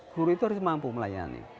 guru itu harus mampu melayani